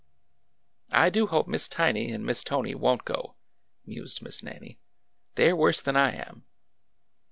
I do hope Miss Tiny and Miss Tony won't go," mused Miss Nannie. They are worse than I am."